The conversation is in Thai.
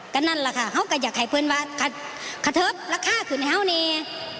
ก็นั่นแหละค่ะเขาก็อยากให้เพื่อนบาทค่ะเขาเทิบราคาขึ้นให้เขาเนี่ย